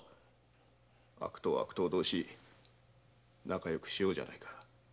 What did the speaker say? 悪党は悪党同士仲良くしようじゃないか。